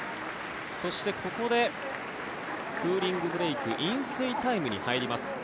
そして、ここでクーリングブレーク飲水タイムに入ります。